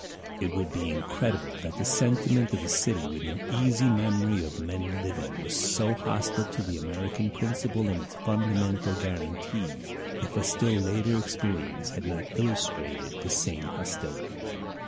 It would be incredible that the sentiment of the city within easy memory of men living was so hostile to the American principle and its fundamental guarantees if a still later experience had not illustrated the same hostility.